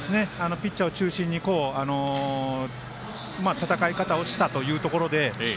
ピッチャーを中心に個の戦い方をしたということで。